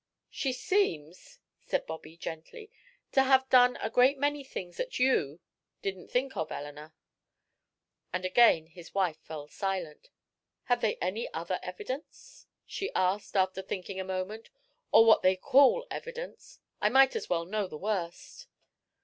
"She seems," said Bobby, gently, "to have done a great many things that you didn't think of, Eleanor." And again his wife fell silent. "Have they any other evidence?" she asked, after thinking a moment, "or what they call evidence? I might as well know the worst."